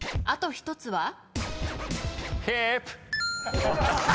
あと１つは？